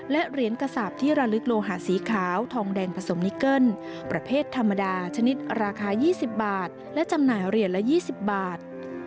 และเหรียญกระสาปที่ระลึกโลหะสีขาวทองแดงผสมนิเกิ้ลประเภทธรรมดาชนิดราคา๒๐บาทและจำหน่ายเหรียญละ๒๐บาท